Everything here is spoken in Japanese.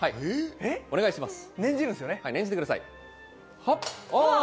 お願いします。